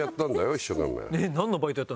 一生懸命。